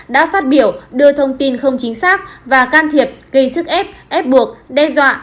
đã phát biểu đưa thông tin không chính xác và can thiệp gây sức ép ép buộc đe dọa